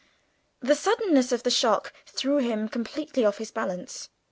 The suddenness of the shock threw him completely off his balance.